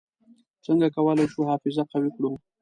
څنګه کولای شو حافظه قوي کړو؟